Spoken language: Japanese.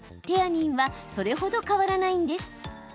テアニンはそれほど変わらないんです。